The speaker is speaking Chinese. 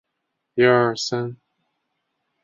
拉登堡出生于德国曼海姆一个著名的犹太人家庭。